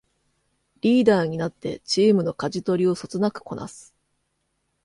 リーダーになってチームのかじ取りをそつなくこなす